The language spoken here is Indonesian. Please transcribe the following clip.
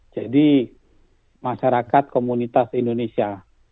jadi masyarakat komunitas indonesia